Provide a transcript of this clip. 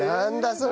それ。